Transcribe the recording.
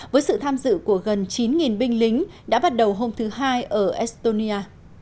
với sự tham dự của gần chín binh lính đã bắt đầu hôm thứ hai ở estonia